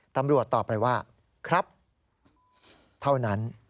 ตำรวจตอบไปว่าครับเท่านั้น